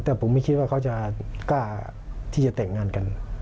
แต่ผมไม่คิดว่าเขาจะกล้าที่จะแต่งงานกัน